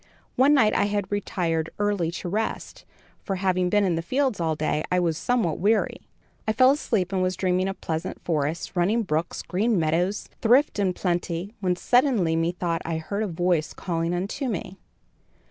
One night I had retired early to rest, for, having been in the fields all day, I was somewhat weary. I fell asleep and was dreaming of pleasant forests, running brooks, green meadows, thrift and plenty, when suddenly methought I heard a voice calling unto me.